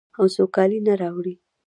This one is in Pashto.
او سوکالي نه راوړي.